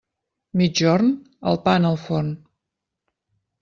Migjorn? El pa en el forn.